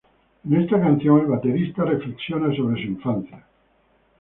En esta canción, el baterista reflexiona sobre su infancia.